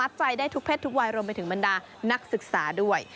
ใจได้ทุกเพศทุกวัยรวมไปถึงบรรดานักศึกษาด้วย